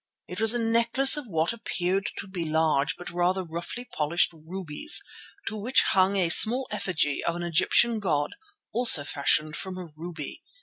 It was a necklace of what appeared to be large but rather roughly polished rubies, to which hung a small effigy of an Egyptian god also fashioned from a ruby.